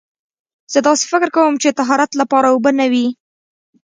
زه داسې فکر کوم چې طهارت لپاره اوبه نه وي.